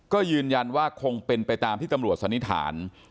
ก็ยืนยันว่าคงเป็นไปตามที่ตำรวจสันนิษฐาน